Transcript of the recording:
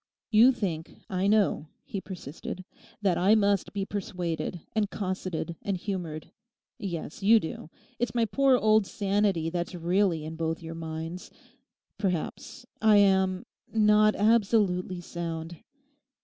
'You think, I know,' he persisted, 'that I must be persuaded and cosseted and humoured. Yes, you do; it's my poor old sanity that's really in both your minds. Perhaps I am—not absolutely sound.